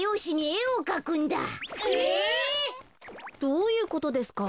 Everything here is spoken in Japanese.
どういうことですか？